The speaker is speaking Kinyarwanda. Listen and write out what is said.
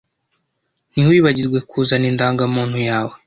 Ntiwibagirwe kuzana indangamuntu yawe.